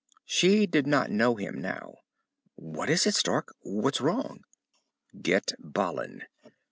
She did not know him now. "What is it, Stark? What's wrong?" "Get Balin."